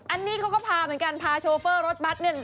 อันนี้เค้าก็พาเหมือนกันพารถาวส์ที่โชฟเฟอร์